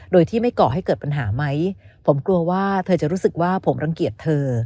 โดยที่ไม่ก่อให้เกิดปัญหาไหมผมกลัวว่าเธอจะรู้สึกว่าผมรังเกียจเธอ